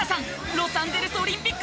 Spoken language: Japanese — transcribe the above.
ロサンゼルスオリンピック